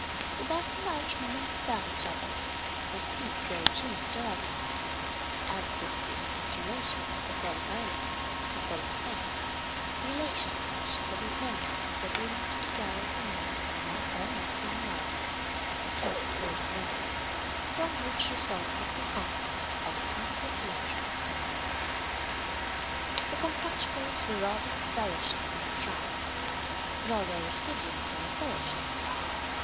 The Basque and the Irishman understand each other they speak the old Punic jargon; add to this the intimate relations of Catholic Ireland with Catholic Spain relations such that they terminated by bringing to the gallows in London one almost King of Ireland, the Celtic Lord de Brany; from which resulted the conquest of the county of Leitrim. The Comprachicos were rather a fellowship than a tribe; rather a residuum than a fellowship.